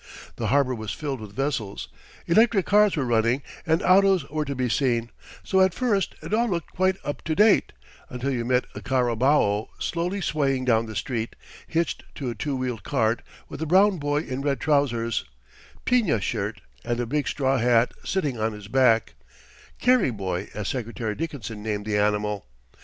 The harbour was filled with vessels, electric cars were running, and autos were to be seen, so at first it all looked quite up to date, until you met a carabao slowly swaying down the street, hitched to a two wheeled cart, with a brown boy in red trousers, piña shirt and a big straw hat sitting on his back "carry boy," as Secretary Dickinson named the animal.